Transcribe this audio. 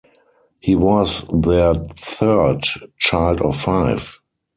He was their third child of five.